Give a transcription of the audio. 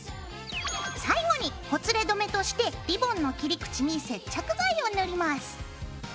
最後にほつれ止めとしてリボンの切り口に接着剤を塗ります。